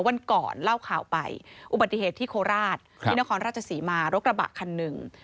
วันก่อนเล่าข่าวไปอุบัติเหตุที่โคราชที่นครราชศรีมารถกระบะคันหนึ่ง